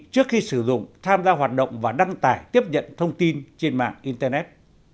trước khi sử dụng tham gia hoạt động và đăng tải tiếp nhận thông tin trên mạng internet